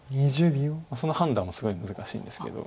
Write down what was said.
その判断はすごい難しいんですけど。